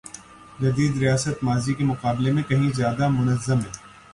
جدید ریاست ماضی کے مقابلے میں کہیں زیادہ منظم ہے۔